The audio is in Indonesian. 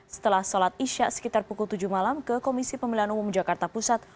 setelah sholat isya sekitar pukul tujuh malam ke komisi pemilihan umum jakarta pusat